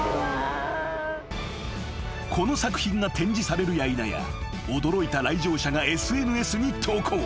［この作品が展示されるやいなや驚いた来場者がＳＮＳに投稿］